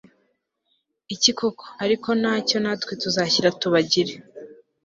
iki koko Ariko ntacyo natwe tuzashyira tubagire